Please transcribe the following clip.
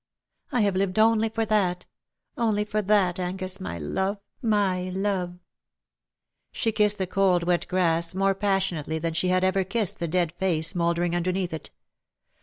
I have lived only for that — only for that, Angus, my love, my love V She kissed the cold wet grass more passionately than she had ever kissed the dead face mouldering underneath it.